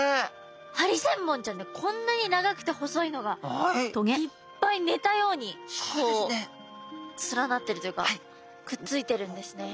ハリセンボンちゃんってこんなに長くて細いのがいっぱいねたように連なってるというかくっついてるんですね。